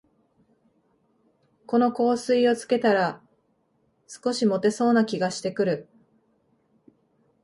この香水をつけたら、少しもてそうな気がしてくる